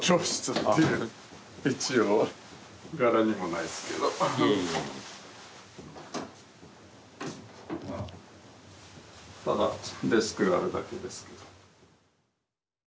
ただデスクがあるだけですけど。